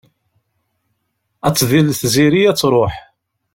Ad d-tḍil tziri ad truḥ.